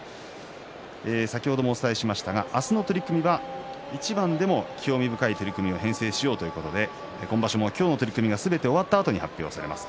先ほどもお伝えしましたが明日の取組は一番でも興味深い取組を編成しようということで今場所も今日の取組がすべて終わったあとに発表されます。